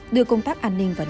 đưa công tác an ninh vào nỉ nếp